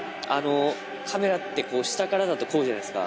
カメラって、こう、下からだとこうじゃないですか。